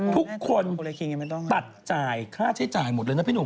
ทุกคนตัดจ่ายค่าใช้จ่ายหมดเลยนะพี่หนุ่ม